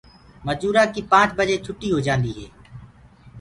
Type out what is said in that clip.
مجورآنٚ ڪيٚ پآنٚچ بجي ڇُوٽيٚ هوجآنٚديٚ هي